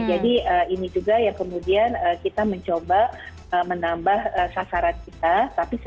jadi ini juga ya kemudian kita mencoba menambah sasaran kita